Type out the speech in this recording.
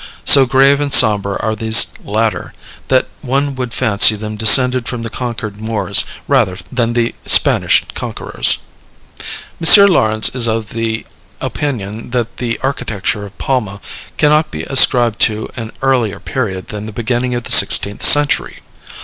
So grave and sombre are these latter, that one would fancy them descended from the conquered Moors, rather than the Spanish conquerors. M. Laurens is of the opinion that the architecture of Palma cannot be ascribed to an earlier period than the beginning of the sixteenth century.